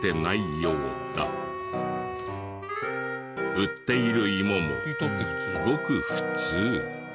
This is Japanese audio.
売っているイモもごく普通。